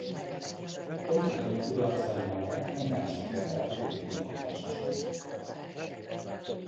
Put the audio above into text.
Politikai kudarcai mellett nem járt sikerrel jótékonykodása sem.